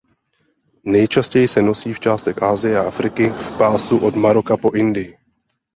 Nejčastěji se nosí v částech Asie a Afriky v pásu od Maroka po Indii.